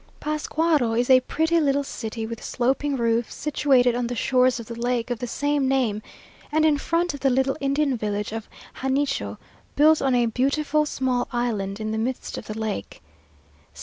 Pascuaro is a pretty little city with sloping roofs, situated on the shores of the lake of the same name, and in front of the little Indian village of Janicho, built on a beautiful small island in the midst of the lake.